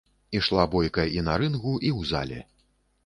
Бойка ішла і на рынгу, і ў зале.